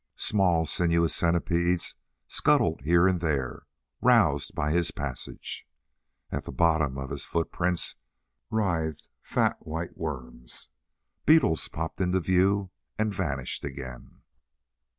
Small sinuous centipedes scuttled here and there, roused by his passage. At the bottom of his footprints writhed fat white worms. Beetles popped into view and vanished again....